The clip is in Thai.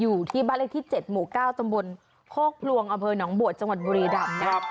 อยู่ที่บรรยาที่๗หมู่๙ตำบลโฆกพลวงอเมินองค์บวชจังหวัดบุรีรำ